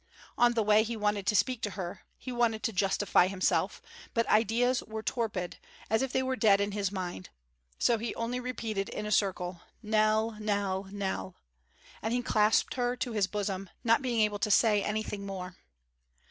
On the way he wanted to speak to her; he wanted to justify himself, but ideas were torpid, as if they were dead in his mind; so he only repeated in a circle, "Nell! Nell! Nell!" and he clasped her to his bosom, not being able to say anything more.